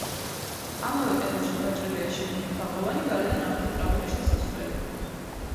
ამავე კედელში გაჭრილია შიგნით თაღოვანი, გარედან არქიტრავული შესასვლელი.